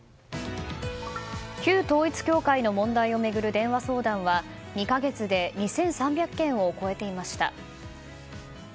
旧統一教会の問題を巡る電話相談は２か月で２３００件を超えていました。